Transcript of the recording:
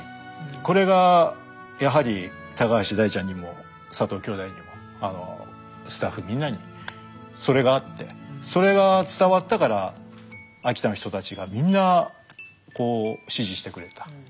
これがやはり橋大ちゃんにも佐藤兄弟にもスタッフみんなにそれがあってそれが伝わったから秋田の人たちがみんなこう支持してくれた。